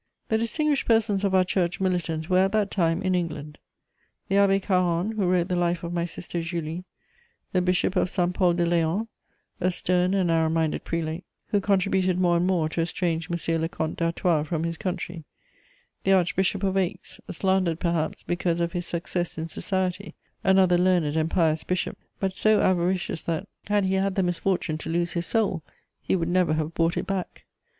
The distinguished persons of our Church militant were at that time in England: the Abbé Carron, who wrote the life of my sister Julie; the Bishop of Saint Pol de Léon, a stern and narrow minded prelate, who contributed more and more to estrange M. le Comte d'Artois from his country; the Archbishop of Aix, slandered perhaps because of his success in society; another learned and pious bishop, but so avaricious that, had he had the misfortune to lose his soul, he would never have bought it back.